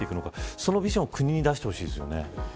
そのビジョンを国に出してほしいです